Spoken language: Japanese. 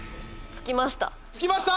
つきました！